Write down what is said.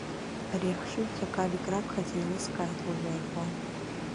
Ари ахшыҩҵак, Алик, раԥхьаӡа еилыскааит уажәааигәа.